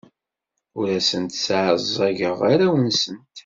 Ur asent-sseɛẓageɣ arraw-nsent.